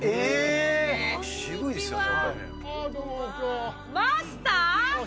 渋いですね。